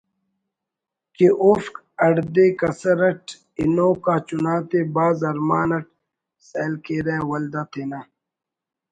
کہ اوفک ہڑدے کسر اٹ ہنوک آ چناتے بھاز ارمان اٹ سیل کیرہ ولدا تینا